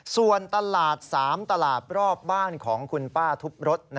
ส่วนตลาด๓ตลาดรอบบ้านของคุณป้าทุบรถ